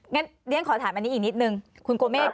งั้นเรียนขอถามอันนี้อีกนิดนึงคุณโกเมฆ